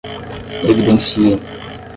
evidenciem